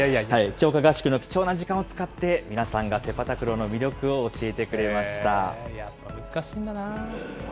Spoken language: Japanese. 強化合宿の貴重な時間を使って皆さんがセパタクローの魅力をやっぱり難しいんだなー。